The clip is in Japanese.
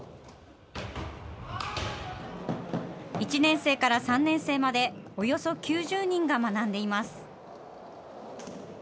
１年生から３年生まで、およそ９０人が学んでいます。